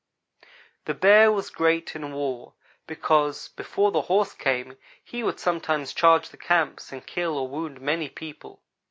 The bear was great in war, because before the horse came, he would sometimes charge the camps and kill or wound many people.